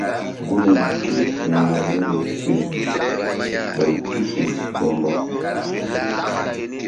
Gunri ké-e firma niri fe ɓay tu fe mbamba.